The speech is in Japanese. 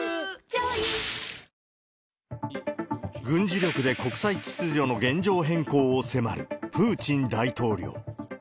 軍事力で国際秩序の現状変更を迫るプーチン大統領。